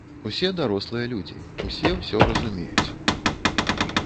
Усе дарослыя людзі, усе ўсё разумеюць.